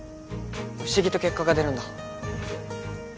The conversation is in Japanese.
不思議と結果が出るんだ